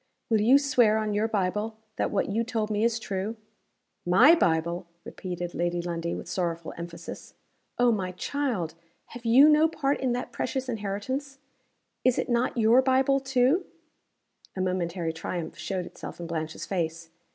"Will you swear on your Bible, that what you told me is true?" "My Bible!" repeated Lady Lundie with sorrowful emphasis. "Oh, my child! have you no part in that precious inheritance? Is it not your Bible, too?" A momentary triumph showed itself in Blanche's face.